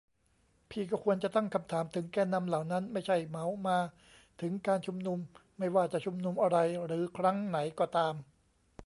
พี่ก็ควรจะตั้งคำถามถึงแกนนำเหล่านั้น ไม่ใช่เหมามาถึงการชุมนุม ไม่ว่าจะชุมนุมอะไรหรือครั้งไหนก็ตาม